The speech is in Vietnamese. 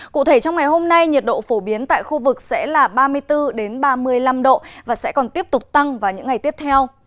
cụ thể trong ngày hôm nay nhiệt độ phổ biến tại khu vực sẽ là ba mươi bốn ba mươi năm độ và sẽ còn tiếp tục tăng vào những ngày tiếp theo